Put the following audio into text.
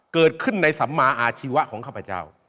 เกิดขึ้นในสัมมาอาชีวะของข้าพเจ้า